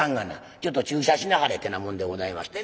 ちょっと注射しなはれ」ってなもんでございましてね。